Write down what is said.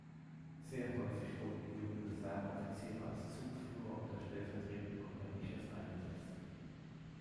Sehr häufig wurden die jungen Reserveoffiziere als Zugführer oder stellvertretende Kompaniechefs eingesetzt.